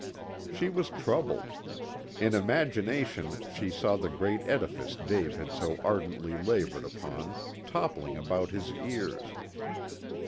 She was troubled. In imagination she saw the great edifice Dave had so ardently labored upon toppling about his ears.